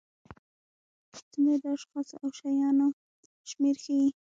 څومره د اشخاصو او شیانو شمېر ښيي.